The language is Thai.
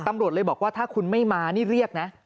ตำรวจเลยบอกว่าถ้าคุณไม่มานี่เรียกนะ